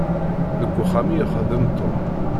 Deg uxxam i ixeddem Tom.